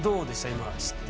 今知って。